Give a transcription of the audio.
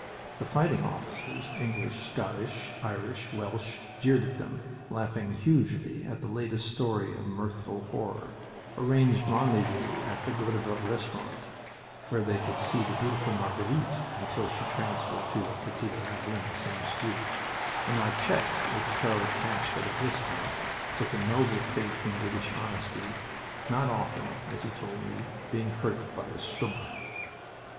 The fighting officers, English, Scottish, Irish, Welsh, jeered at them, laughed hugely at the latest story of mirthful horror, arranged rendezvous at the Godebert restaurant, where they would see the beautiful Marguerite (until she transferred to la cathedrale in the same street) and our checks which Charlie cashed at a discount, with a noble faith in British honesty, not often, as he told me, being hurt by a "stumor."